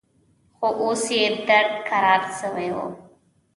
خو اوس يې درد کرار سوى و.